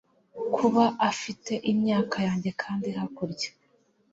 Kuba afite imyaka yanjye kandi hakurya